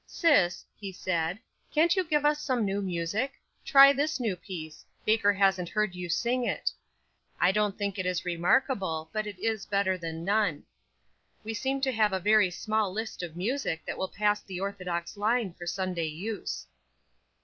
"Sis," he said, "can't you give us some new music? Try this new piece; Baker hasn't heard you sing it. I don't think it is remarkable, but it is better than none. We seem to have a very small list of music that will pass the orthodox line for Sunday use."